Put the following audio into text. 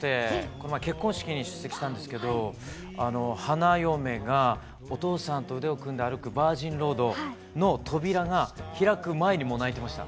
この前結婚式に出席したんですけど花嫁がお父さんと腕を組んで歩くバージンロードの扉が開く前にもう泣いてました。